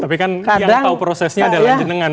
tapi kan yang tahu prosesnya adalah jenengan